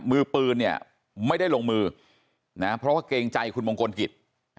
มือปืนเนี่ยไม่ได้ลงมือนะเพราะว่าเกรงใจคุณมงคลกิจ